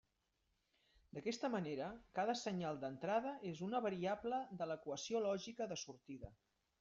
D'aquesta manera, cada senyal d'entrada és una variable de l'equació lògica de sortida.